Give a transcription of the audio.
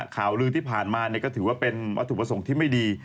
ข่าวลือที่ผ่านมาก็ถือว่าเป็นวัตถุประสงค์ที่ไม่ดี